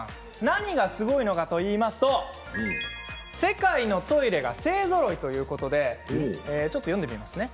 何がすごいかといいますと世界のトイレが勢ぞろいということでちょっと読んでみますね。